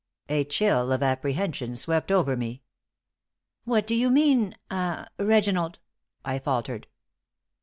A chill of apprehension swept over me. "What do you mean ah Reginald?" I faltered.